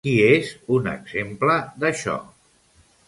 Qui és un exemple d'això?